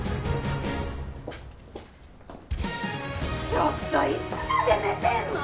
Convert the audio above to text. ちょっといつまで寝てんの！